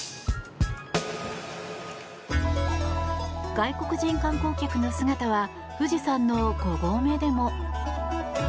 外国人観光客の姿は富士山の五合目でも。